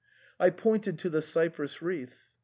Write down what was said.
I pointed to the cypress wreath.